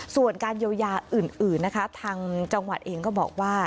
ส่วนการเยียวยาอื่นนะคะทางจังหวัดเองก็บอกว่า